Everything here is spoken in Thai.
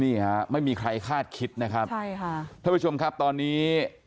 เนี่ยไม่มีใครคาดคิดนะครับท่านผู้ชมครับตอนนี้